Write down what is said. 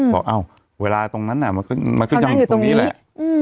บอกเวลาตรงนั้นมันก็ยังตรงนี้แหละ